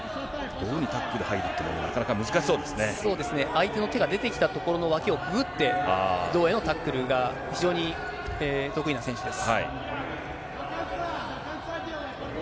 胴にタックル入るって、そうですね、相手の手が出てきたところの脇をくぐって、胴へのタックルが非常に得意な選手です。